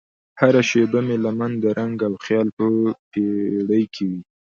هره شیبه مې لمن د رنګ او خیال په بیړۍ کې